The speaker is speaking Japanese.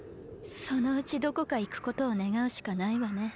そのうちどこか行くことを願うしかないわね。